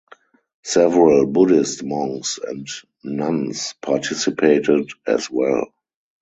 Several Buddhist monks and nuns participated as well.